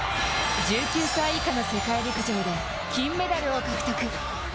１９歳以下の世界陸上で金メダルを獲得。